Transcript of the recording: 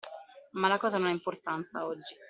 Ma la cosa non ha importanza, oggi.